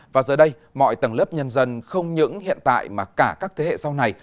và giờ đây mọi tầng lớp nhân dân không những hiện tại mà cả các thế hệ sau này